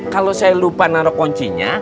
kalau saya lupa naruh kuncinya